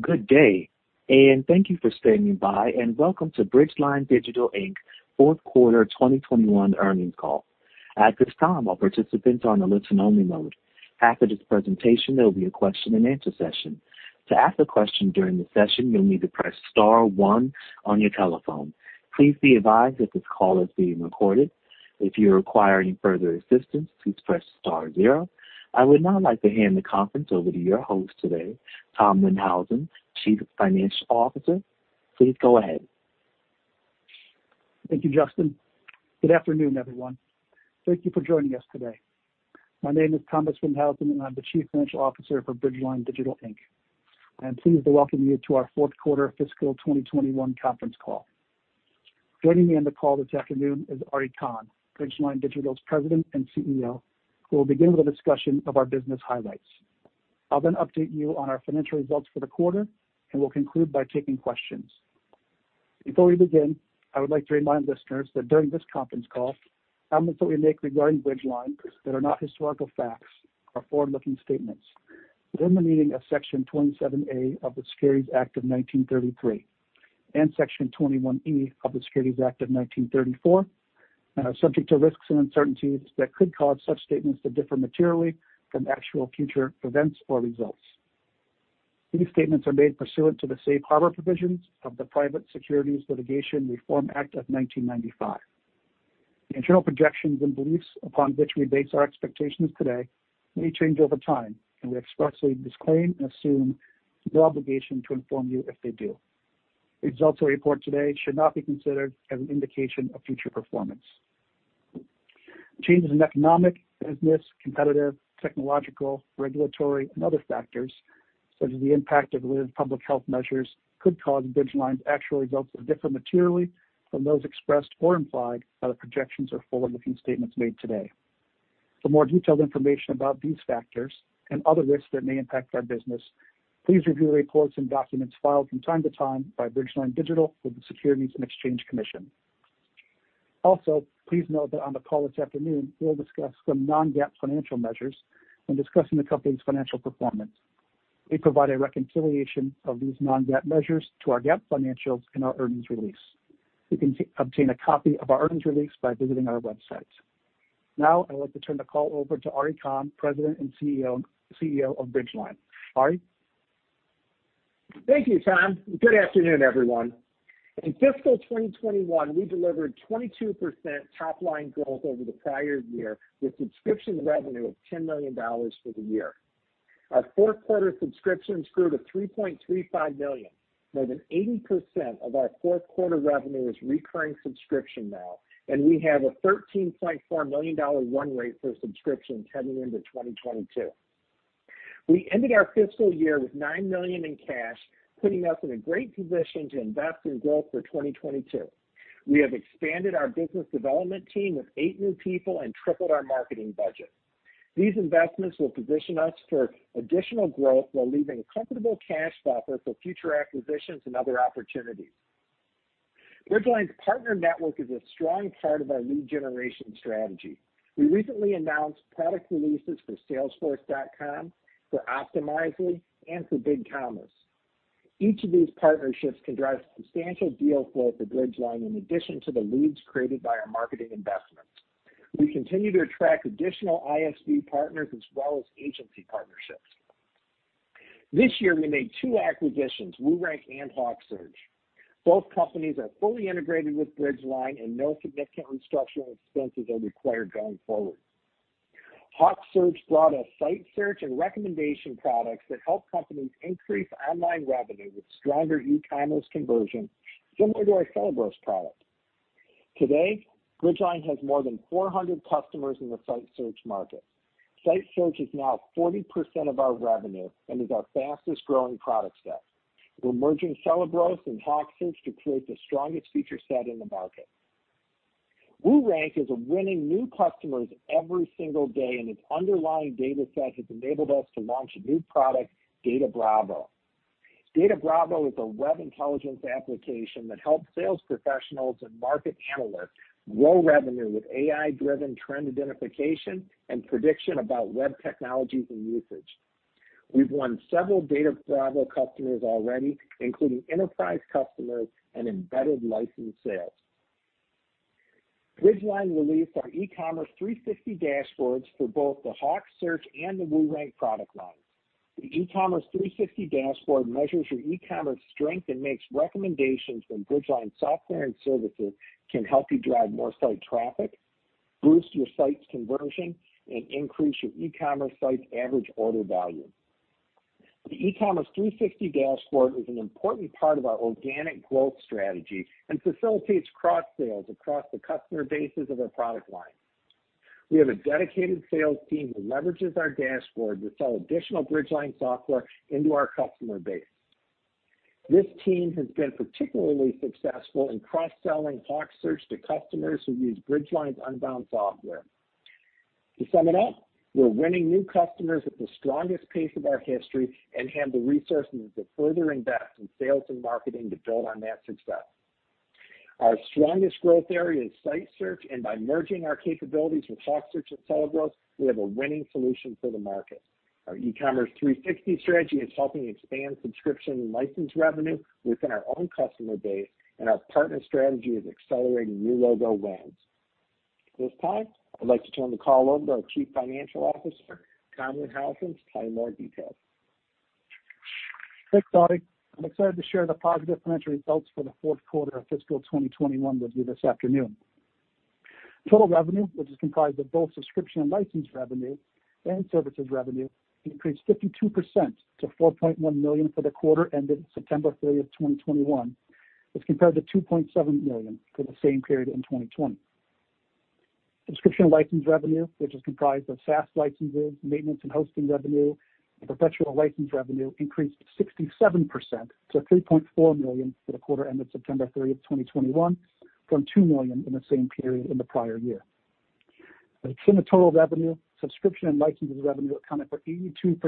Good day, and thank you for standing by, and welcome to Bridgeline Digital Inc's fourth quarter 2021 earnings call. At this time, all participants are on a listen-only mode. After this presentation, there'll be a question-and-answer session. To ask a question during the session, you'll need to press star one on your telephone. Please be advised that this call is being recorded. If you require any further assistance, please press star zero. I would now like to hand the conference over to your host today, Tom Windhausen, Chief Financial Officer. Please go ahead. Thank you, Justin. Good afternoon, everyone. Thank you for joining us today. My name is Thomas Windhausen, and I'm the Chief Financial Officer for Bridgeline Digital, Inc. I'm pleased to welcome you to our fourth quarter fiscal 2021 conference call. Joining me on the call this afternoon is Ari Kahn, Bridgeline Digital's President and CEO, who will begin with a discussion of our business highlights. I'll then update you on our financial results for the quarter, and we'll conclude by taking questions. Before we begin, I would like to remind listeners that during this conference call, comments that we make regarding Bridgeline that are not historical facts are forward-looking statements within the meaning of Section 27A of the Securities Act of 1933 and Section 21E of the Securities Exchange Act of 1934, subject to risks and uncertainties that could cause such statements to differ materially from actual future events or results. These statements are made pursuant to the safe harbor provisions of the Private Securities Litigation Reform Act of 1995. The internal projections and beliefs upon which we base our expectations today may change over time, and we expressly disclaim and assume no obligation to inform you if they do. Results we report today should not be considered as an indication of future performance. Changes in economic, business, competitive, technological, regulatory and other factors, such as the impact of related public health measures, could cause Bridgeline's actual results to differ materially from those expressed or implied by the projections or forward-looking statements made today. For more detailed information about these factors and other risks that may impact our business, please review the reports and documents filed from time to time by Bridgeline Digital with the Securities and Exchange Commission. Also, please note that on the call this afternoon, we'll discuss some non-GAAP financial measures when discussing the company's financial performance. We provide a reconciliation of these non-GAAP measures to our GAAP financials in our earnings release. You can obtain a copy of our earnings release by visiting our website. Now I'd like to turn the call over to Ari Kahn, President and CEO of Bridgeline. Ari? Thank you, Tom. Good afternoon, everyone. In fiscal 2021, we delivered 22% top line growth over the prior year, with subscription revenue of $10 million for the year. Our fourth quarter subscriptions grew to $3.35 million. More than 80% of our fourth quarter revenue is recurring subscription now, and we have a $13.4 million run rate for subscriptions heading into 2022. We ended our fiscal year with $9 million in cash, putting us in a great position to invest in growth for 2022. We have expanded our business development team with 8 new people and tripled our marketing budget. These investments will position us for additional growth while leaving a comfortable cash buffer for future acquisitions and other opportunities. Bridgeline's partner network is a strong part of our lead generation strategy. We recently announced product releases for Salesforce.com, for Optimizely and for BigCommerce. Each of these partnerships can drive substantial deal flow for Bridgeline in addition to the leads created by our marketing investments. We continue to attract additional ISV partners as well as agency partnerships. This year we made two acquisitions, WooRank and HawkSearch. Both companies are fully integrated with Bridgeline and no significant structural expenses are required going forward. HawkSearch brought us site search and recommendation products that help companies increase online revenue with stronger e-commerce conversion, similar to our Celebros product. Today, Bridgeline has more than 400 customers in the site search market. Site search is now 40% of our revenue and is our fastest-growing product set. We're merging Celebros and HawkSearch to create the strongest feature set in the market. WooRank is winning new customers every single day, and its underlying data set has enabled us to launch a new product, DataBravo. DataBravo is a web intelligence application that helps sales professionals and market analysts grow revenue with AI-driven trend identification and prediction about web technologies and usage. We've won several DataBravo customers already, including enterprise customers and embedded license sales. Bridgeline released our eCommerce360 dashboards for both the HawkSearch and the WooRank product lines. The eCommerce360 dashboard measures your e-commerce strength and makes recommendations when Bridgeline software and services can help you drive more site traffic, boost your site's conversion, and increase your e-commerce site's average order value. The eCommerce360 dashboard is an important part of our organic growth strategy and facilitates cross sales across the customer bases of our product line. We have a dedicated sales team who leverages our dashboard to sell additional Bridgeline software into our customer base. This team has been particularly successful in cross-selling HawkSearch to customers who use Bridgeline's Unbound software. To sum it up, we're winning new customers at the strongest pace of our history and have the resources to further invest in sales and marketing to build on that success. Our strongest growth area is site search, and by merging our capabilities with HawkSearch and Celebros, we have a winning solution for the market. Our eCommerce360 strategy is helping expand subscription and license revenue within our own customer base, and our partner strategy is accelerating new logo wins. At this time, I'd like to turn the call over to our Chief Financial Officer, Tom Windhausen, to provide more details. Thanks, Ari. I'm excited to share the positive financial results for the fourth quarter of fiscal 2021 with you this afternoon. Total revenue, which is comprised of both subscription and license revenue and services revenue, increased 52% to $4.1 million for the quarter ended September 30, 2021, as compared to $2.7 million for the same period in 2020. Subscription and license revenue, which is comprised of SaaS licenses, maintenance and hosting revenue, and perpetual license revenue, increased 67% to $3.4 million for the quarter ended September 30, 2021, from $2 million in the same period in the prior year. As a percent of total revenue, subscription and licenses revenue accounted for 82%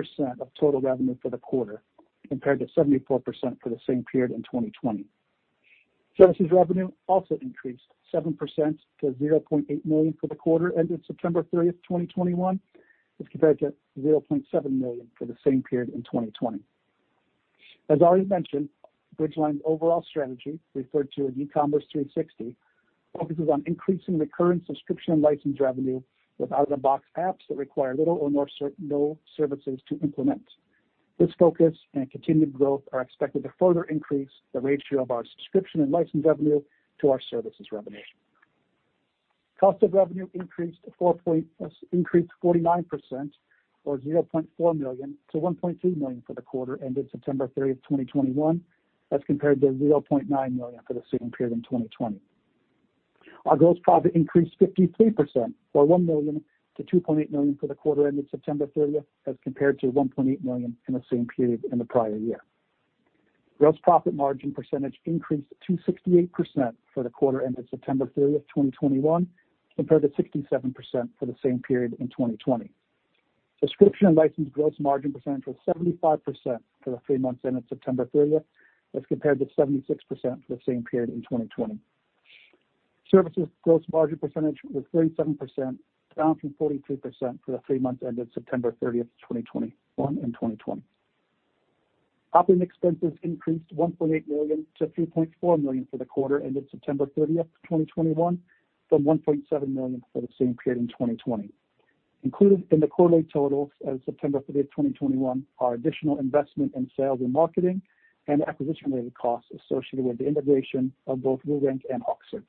of total revenue for the quarter, compared to 74% for the same period in 2020. Services revenue also increased 7% to $0.8 million for the quarter ended September 30, 2021, as compared to $0.7 million for the same period in 2020. As already mentioned, Bridgeline's overall strategy, referred to as eCommerce360, focuses on increasing recurring subscription and license revenue with out-of-the-box apps that require little or no services to implement. This focus and continued growth are expected to further increase the ratio of our subscription and license revenue to our services revenue. Cost of revenue increased 49% or $0.4 million to $1.2 million for the quarter ended September 30, 2021, as compared to $0.9 million for the same period in 2020. Our gross profit increased 53% or $1 million to $2.8 million for the quarter ended September 30 as compared to $1.8 million in the same period in the prior year. Gross profit margin percentage increased to 68% for the quarter ended September 30, 2021, compared to 67% for the same period in 2020. Subscription and license gross margin percentage was 75% for the three months ended September 30 as compared to 76% for the same period in 2020. Services gross margin percentage was 37%, down from 42% for the three months ended September 30, 2020. Operating expenses increased $1.8 million to $3.4 million for the quarter ended September 30, 2021, from $1.7 million for the same period in 2020. Included in the quarterly totals as of September 30, 2021, are additional investment in sales and marketing and acquisition-related costs associated with the integration of both WooRank and HawkSearch.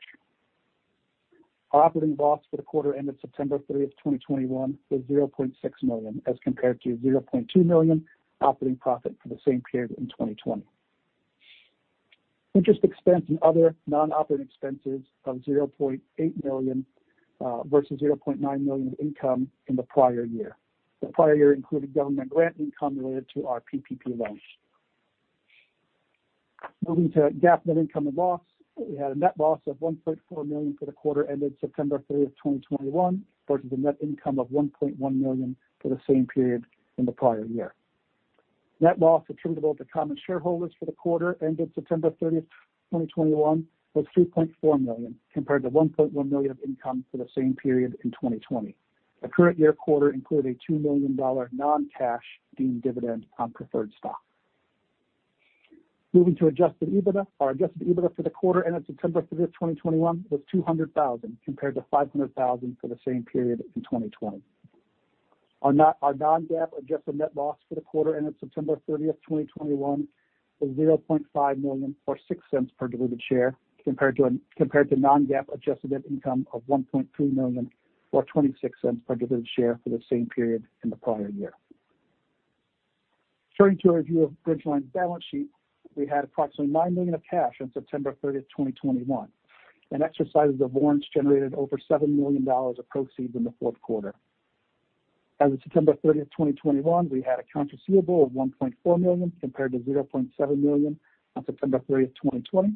Our operating loss for the quarter ended September 30, 2021, was $0.6 million as compared to $0.2 million operating profit for the same period in 2020. Interest expense and other non-operating expenses of $0.8 million versus $0.9 million income in the prior year. The prior year included government grant income related to our PPP loans. Moving to GAAP net income and loss, we had a net loss of $1.4 million for the quarter ended September 30, 2021, versus a net income of $1.1 million for the same period in the prior year. Net loss attributable to common shareholders for the quarter ended September 30, 2021, was $3.4 million compared to $1.1 million of income for the same period in 2020. The current year quarter included a $2 million non-cash deemed dividend on preferred stock. Moving to adjusted EBITDA, our adjusted EBITDA for the quarter ended September 30, 2021, was $200,000 compared to $500,000 for the same period in 2020. Our non-GAAP adjusted net loss for the quarter ended September 30, 2021, was $0.5 million or $0.06 per diluted share compared to non-GAAP adjusted net income of $1.3 million or $0.26 per diluted share for the same period in the prior year. Turning to a review of Bridgeline's balance sheet, we had approximately $9 million of cash on September 30, 2021, and exercises of warrants generated over $7 million of proceeds in the fourth quarter. As of September 30, 2021, we had accounts receivable of $1.4 million compared to $0.7 million on September 30, 2020.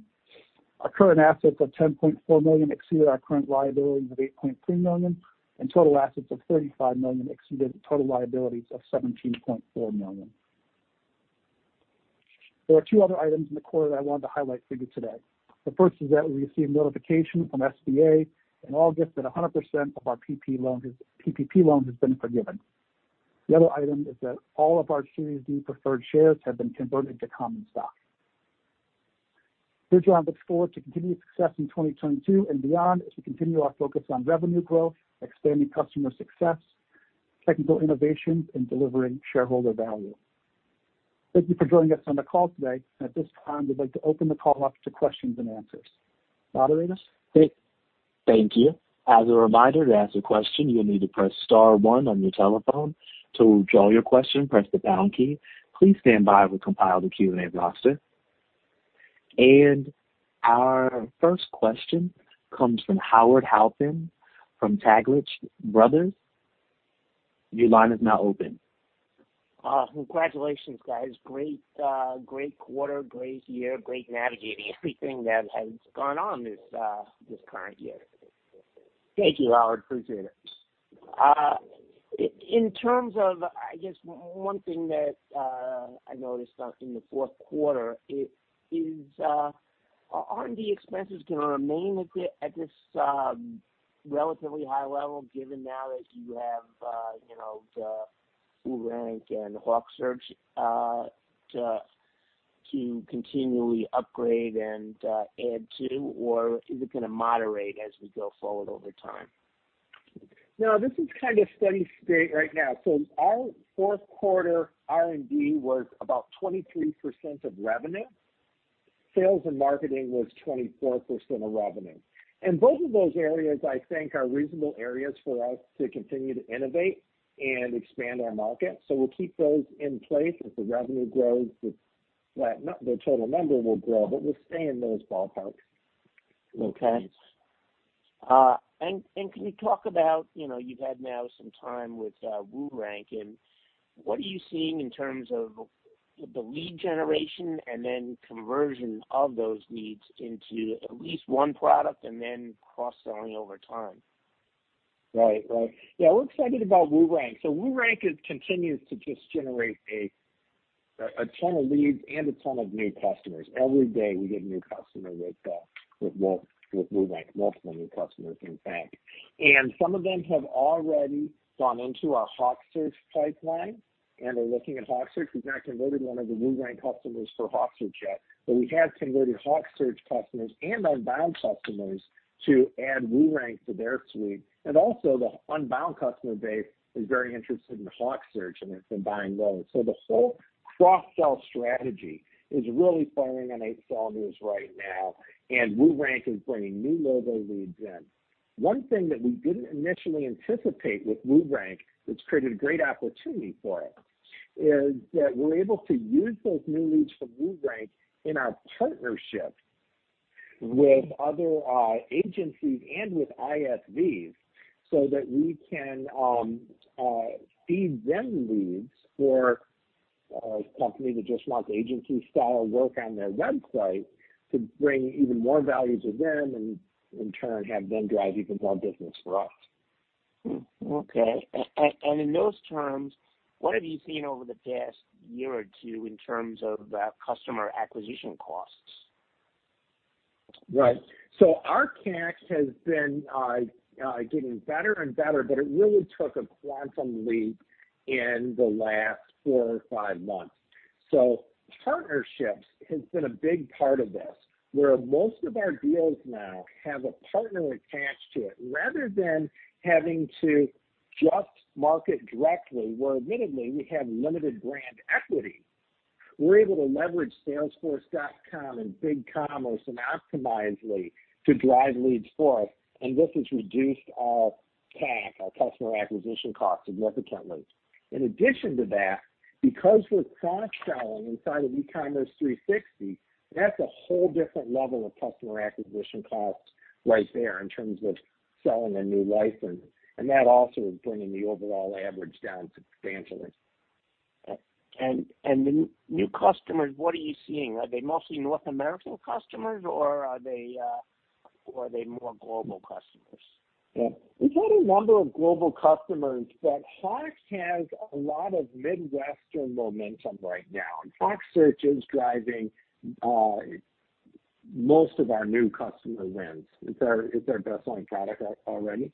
Our current assets of $10.4 million exceeded our current liabilities of $8.3 million, and total assets of $35 million exceeded total liabilities of $17.4 million. There are two other items in the quarter that I wanted to highlight for you today. The first is that we received notification from SBA in August that 100% of our PPP loan has been forgiven. The other item is that all of our Series D preferred shares have been converted to common stock. Bridgeline looks forward to continued success in 2022 and beyond as we continue our focus on revenue growth, expanding customer success, technical innovations, and delivering shareholder value. Thank you for joining us on the call today. At this time, we'd like to open the call up to questions and answers. Moderator? Thank you. As a reminder, to ask a question, you will need to press star one on your telephone. To withdraw your question, press the pound key. Please stand by while we compile the Q&A roster. Our first question comes from Howard Halpern from Taglich Brothers. Your line is now open. Congratulations, guys. Great quarter, great year, great navigating everything that has gone on this current year. Thank you, Howard. Appreciate it. In terms of, I guess one thing that I noticed in the fourth quarter is, are R&D expenses gonna remain at this relatively high level, given now that you have, you know, the WooRank and HawkSearch to continually upgrade and add to, or is it gonna moderate as we go forward over time? No, this is kind of steady state right now. Our fourth quarter R&D was about 23% of revenue. Sales and marketing was 24% of revenue. Both of those areas, I think, are reasonable areas for us to continue to innovate and expand our market. We'll keep those in place. As the revenue grows, the total number will grow, but we'll stay in those ballparks. Okay. Can you talk about, you know, you've had now some time with WooRank. What are you seeing in terms of the lead generation and then conversion of those leads into at least one product and then cross-selling over time? Right. Yeah, we're excited about WooRank. WooRank continues to just generate a ton of leads and a ton of new customers. Every day, we get a new customer with WooRank, multiple new customers, in fact. Some of them have already gone into our HawkSearch pipeline, and they're looking at HawkSearch. We've not converted one of the WooRank customers for HawkSearch yet. We have converted HawkSearch customers and Unbound customers to add WooRank to their suite. The Unbound customer base is very interested in HawkSearch, and it's been buying well. The whole cross-sell strategy is really firing on eight cylinders right now, and WooRank is bringing new logo leads in. One thing that we didn't initially anticipate with WooRank, which created a great opportunity for us, is that we're able to use those new leads from WooRank in our partnerships with other agencies and with ISVs, so that we can feed them leads for companies that just want agency-style work on their website to bring even more value to them, and in turn, have them drive even more business for us. In those terms, what have you seen over the past year or two in terms of customer acquisition costs? Right. Our CAC has been getting better and better, but it really took a quantum leap in the last four or five months. Partnerships has been a big part of this, where most of our deals now have a partner attached to it. Rather than having to just market directly, where admittedly, we have limited brand equity, we're able to leverage salesforce.com and BigCommerce and Optimizely to drive leads for us, and this has reduced our CAC, our customer acquisition cost, significantly. In addition to that, because we're cross-selling inside of eCommerce360, that's a whole different level of customer acquisition cost right there in terms of selling a new license, and that also is bringing the overall average down substantially. New customers, what are you seeing? Are they mostly North American customers, or are they more global customers? Yeah. We've had a number of global customers, but Hawk has a lot of Midwestern momentum right now. HawkSearch is driving most of our new customer wins. It's our best-selling product already.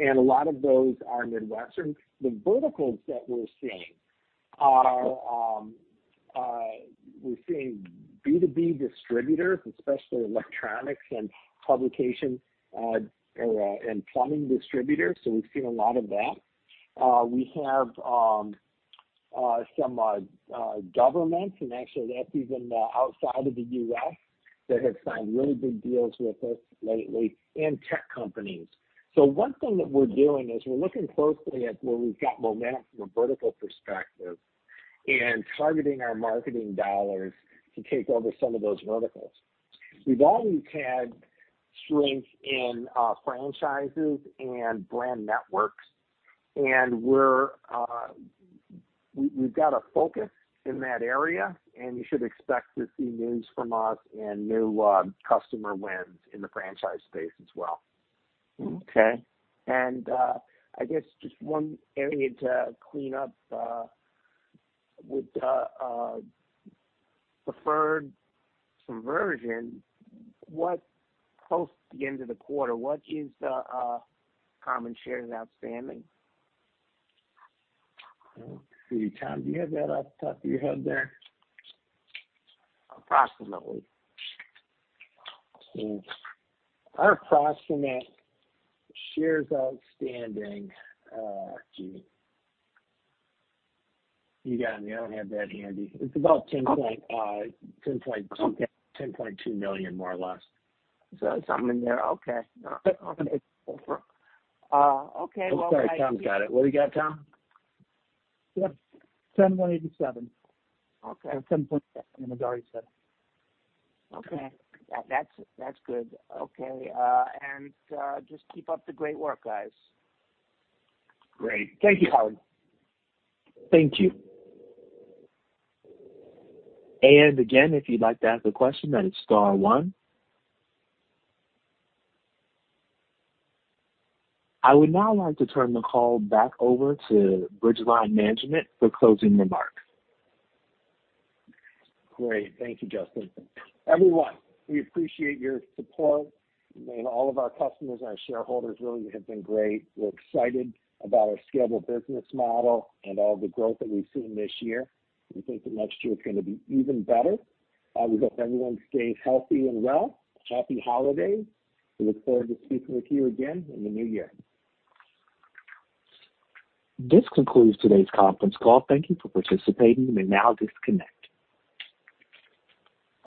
A lot of those are Midwestern. The verticals that we're seeing are B2B distributors, especially electronics and publications and plumbing distributors. We've seen a lot of that. We have some governments, and actually that's even outside of the U.S., that have signed really big deals with us lately, and tech companies. One thing that we're doing is we're looking closely at where we've got momentum from a vertical perspective and targeting our marketing dollars to take over some of those verticals. We've always had strength in franchises and brand networks, and we've got a focus in that area, and you should expect to see news from us and new customer wins in the franchise space as well. Okay. I guess just one area to clean up with preferred conversion. Close to the end of the quarter, what is the common shares outstanding? Let me see. Tom, do you have that off the top of your head there? Approximately. Our approximate shares outstanding, gee. You got me. I don't have that handy. It's about 10 point 10 point. Okay. $10.2 million, more or less. Something in there. Okay. Okay. I'm sorry. Tom's got it. What do you got, Tom? Yep. $10.87. Okay. $10.87 Okay. That's good. Okay, and just keep up the great work, guys. Great. Thank you, Howard. Thank you. Again, if you'd like to ask a question, that is star one. I would now like to turn the call back over to Bridgeline management for closing remarks. Great. Thank you, Justin. Everyone, we appreciate your support. I mean, all of our customers and our shareholders really have been great. We're excited about our scalable business model and all the growth that we've seen this year. We think that next year is gonna be even better. We hope everyone stays healthy and well. Happy holidays. We look forward to speaking with you again in the new year. This concludes today's conference call. Thank you for participating. You may now disconnect.